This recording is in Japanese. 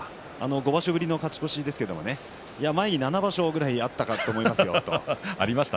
５場所ぶりの勝ち越しですけれど前に７場所ぐらいあったかと思いますよと言っていました。